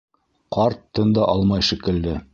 Ҡарт тын да алмай шикелле.